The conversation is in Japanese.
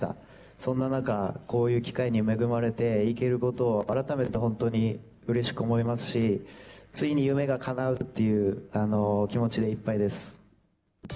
そんな中、こういう機会に恵まれて行けることを改めて本当にうれしく思いますし、ついに夢がかなうっていう気持ちでいっぱいです。